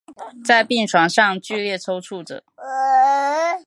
在病床上剧烈扭曲著